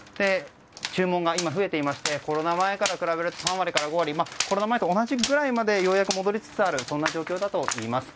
注文が増えていましてコロナ前から比べると３割から５割コロナ前と同じくらいまでようやく戻りつつある状況だといいます。